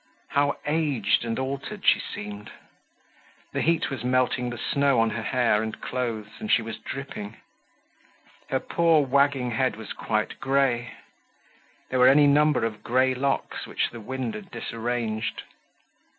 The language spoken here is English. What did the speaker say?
How aged and altered she seemed! The heat was melting the snow on her hair and clothes, and she was dripping. Her poor wagging head was quite grey; there were any number of grey locks which the wind had disarranged.